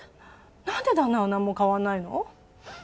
なんで旦那はなんも変わんないの？